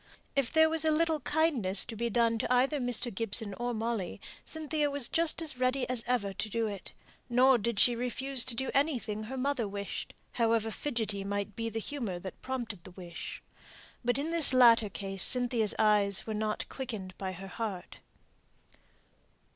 If there was a little kindness to be done to either Mr. Gibson or Molly, Cynthia was just as ready as ever to do it; nor did she refuse to do anything her mother wished, however fidgety might be the humour that prompted the wish. But in this latter case Cynthia's eyes were not quickened by her heart.